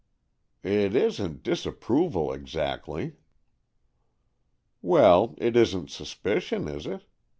"It isn't disapproval exactly." "Well, it isn't suspicion, is it?